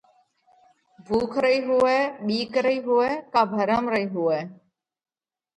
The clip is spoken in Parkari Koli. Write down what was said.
ڀُوک رئِي هوئہ، ٻِيڪ رئِي هوئہ ڪا ڀرم رئِي هوئہ۔